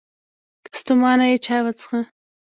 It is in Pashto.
که ستومانه یې، چای وڅښه!